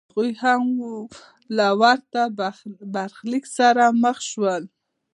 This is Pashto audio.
هغوی هم له ورته برخلیک سره مخ شول